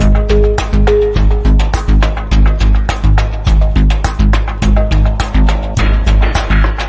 วิ่งเร็วมากครับ